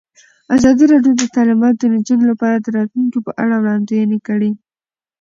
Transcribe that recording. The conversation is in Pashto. ازادي راډیو د تعلیمات د نجونو لپاره د راتلونکې په اړه وړاندوینې کړې.